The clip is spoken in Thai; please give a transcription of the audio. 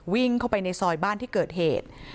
วิ่งเข้าไปในซอยบ้านที่เกิดเหตุ